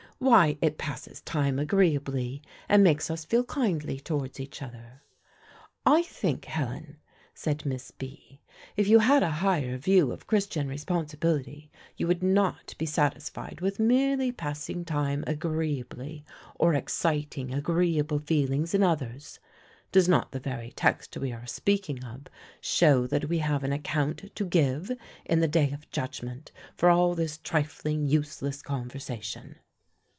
why, it passes time agreeably, and makes us feel kindly towards each other." "I think, Helen," said Miss B., "if you had a higher view of Christian responsibility, you would not be satisfied with merely passing time agreeably, or exciting agreeable feelings in others. Does not the very text we are speaking of show that we have an account to give in the day of judgment for all this trifling, useless conversation?"